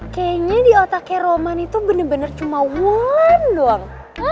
kayaknya di otaknya roman itu bener bener cuma wulan doang